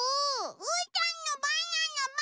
うーたんのバナナバナナ！